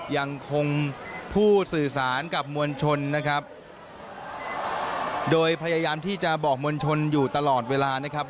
ยังคงพูดสื่อสารกับมวลชนนะครับโดยพยายามที่จะบอกมวลชนอยู่ตลอดเวลานะครับ